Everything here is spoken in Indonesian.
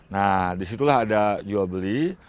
nah disitulah ada jual beli